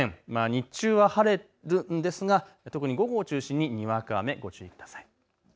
日中は晴れるんですが特に午後を中心ににわか雨にご注意ください。